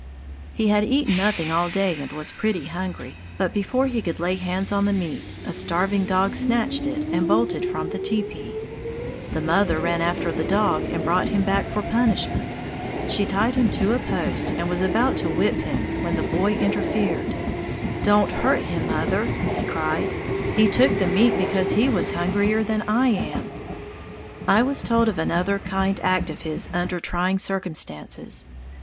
"He had eaten nothing all day and was pretty hungry, but before he could lay hands on the meat a starving dog snatched it and bolted from the teepee. The mother ran after the dog and brought him back for punishment. She tied him to a post and was about to whip him when the boy interfered. 'Don't hurt him, mother!' he cried; 'he took the meat because he was hungrier than I am!'" I was told of another kind act of his under trying circumstances.